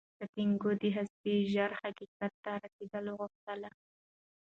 سانتیاګو د هستۍ ژور حقیقت ته رسیدل غوښتل.